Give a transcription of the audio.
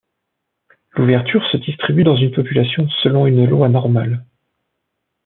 L'ouverture se distribue dans une population selon une loi normale.